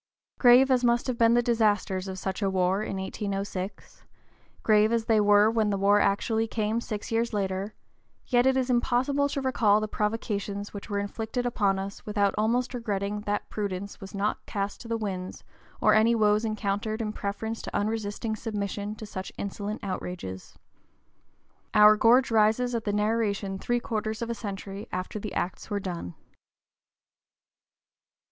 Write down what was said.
Grave as must have been the disasters of such a war in 1806, grave as they were when the war actually came six years later, yet it is impossible to recall the provocations which were inflicted upon us without almost regretting that prudence was not cast to the winds and any woes encountered in preference to unresisting submission to such insolent outrages. Our gorge rises at the narration three quarters of a century after the acts were done.